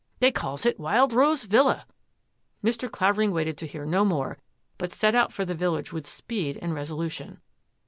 They calls it Wild Rose ViUa." Mr. Clavering waited to hear no more, but set out for the village with speed and resolution.